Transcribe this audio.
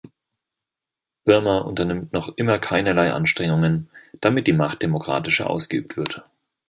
Birma unternimmt noch immer keinerlei Anstrengungen, damit die Macht demokratischer ausgeübt wird.